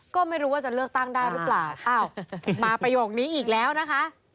ก็ไม่รู้ว่าจะเลือกตั้งได้หรือเปล่าอ้าวมาประโยคนี้อีกแล้วนะคะ